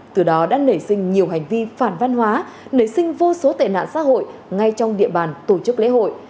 từ đó đã nảy sinh nhiều hành vi phản văn hóa nảy sinh vô số tệ nạn xã hội ngay trong địa bàn tổ chức lễ hội